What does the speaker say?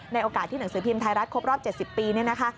โอกาสที่หนังสือพิมพ์ไทยรัฐครบรอบ๗๐ปีเนี่ยนะคะ